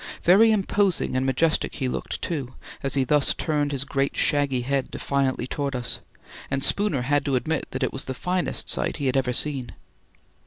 Very imposing and majestic he looked, too, as he thus turned his great shaggy head defiantly towards us, and Spooner had to admit that it was the finest sight he had ever seen.